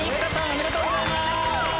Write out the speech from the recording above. おめでとうございます！